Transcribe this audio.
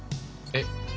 えっ？